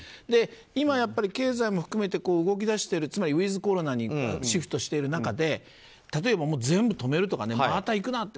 今、経済も含めて動き出しているつまりウィズコロナにシフトしている中で例えば全部止めるとかまた行くなって。